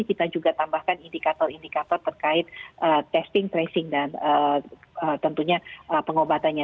kita juga tambahkan indikator indikator terkait testing tracing dan tentunya pengobatannya